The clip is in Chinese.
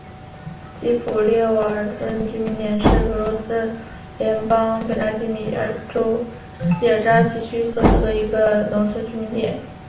基普列沃农村居民点是俄罗斯联邦弗拉基米尔州基尔扎奇区所属的一个农村居民点。